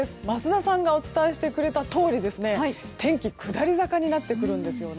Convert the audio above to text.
桝田さんがお伝えしてくれたとおり天気、下り坂になってくるんです。